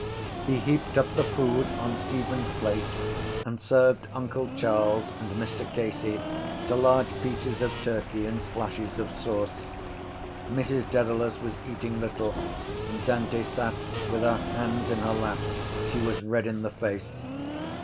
He heaped up the food on Stephen’s plate and served uncle Charles and Mr Casey to large pieces of turkey and splashes of sauce. Mrs Dedalus was eating little and Dante sat with her hands in her lap. She was red in the face.